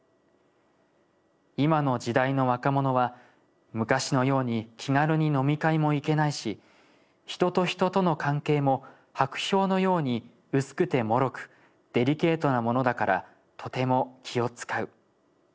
今の時代の若者は昔のように気軽に飲み会も行けないし人と人との関係も薄氷のように薄くてもろくデリケートなものだからとても気を遣う。